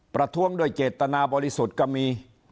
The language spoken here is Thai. ประท้วงด้วยเจตนาบริสุทธิ์ก็มี